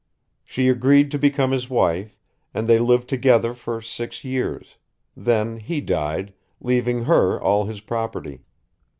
She agreed to become his wife, and they lived together for six years; then he died, leaving her all his property.